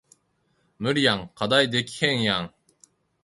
無理やん課題できへんやん